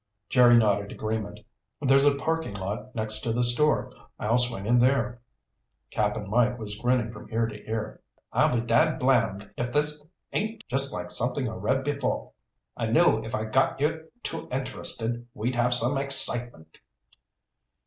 Jerry nodded agreement. "There's a parking lot next to the store. I'll swing in there." Cap'n Mike was grinning from ear to ear. "I'll be dadblamed if this ain't just like something I read once," he said. "I knew if I got you two interested we'd have some excitement!"